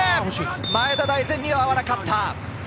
前田大然には合わなかった。